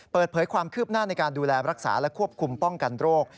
เปิดเผยความคืบหน้าในการดูแลรักษาและควบคุมป้องกันโรค